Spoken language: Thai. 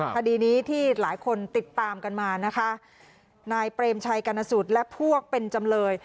คดีนี้ที่หลายคนติดตามกันมานะคะนายเปรมชัยกรรณสุทธิและพวกเป็นจำเลย